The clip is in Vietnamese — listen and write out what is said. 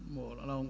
bộ lão lòng